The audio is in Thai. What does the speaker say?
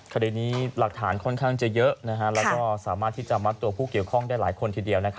คดีนี้หลักฐานค่อนข้างจะเยอะแล้วก็สามารถที่จะมัดตัวผู้เกี่ยวข้องได้หลายคนทีเดียว